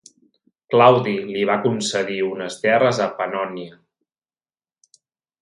Claudi li va concedir unes terres a Pannònia.